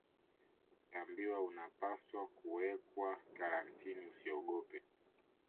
Ukiambiwa unapaswa kuwekwa Karantini usiogope